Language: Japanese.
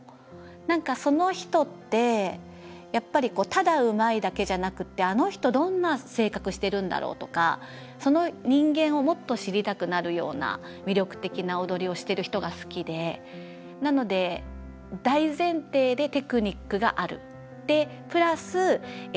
何かその人ってやっぱりただうまいだけじゃなくてあの人どんな性格してるんだろうとかその人間をもっと知りたくなるような魅力的な踊りをしてる人が好きでなので大前提でテクニックがある。